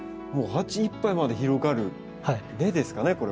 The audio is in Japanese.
もう鉢いっぱいまで広がる根ですかね